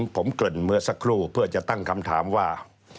ผมเกริ่นเมื่อสักครู่เพื่อจะตั้งคำถามว่า